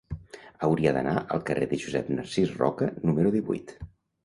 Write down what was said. Hauria d'anar al carrer de Josep Narcís Roca número divuit.